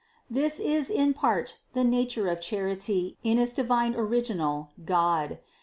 521. This is in part the nature of Charity in its divine original, God.